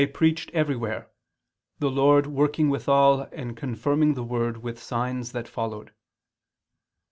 preached everywhere, the Lord working withal and confirming the word with signs that followed."